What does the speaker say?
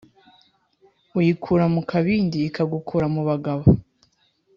Uyikura mu kabindi ikagukura mu bagabo.